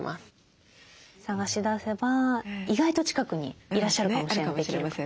探し出せば意外と近くにいらっしゃるかもしれない。